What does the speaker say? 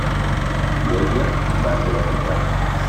Lieja va ser assetjada.